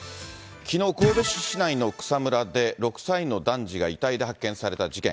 きのう、神戸市内の草むらで、６歳の男児が遺体で発見された事件。